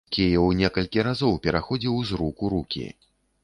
Кіеў некалькі разоў пераходзіў з рук у рукі.